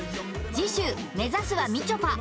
次週目指すはみちょぱ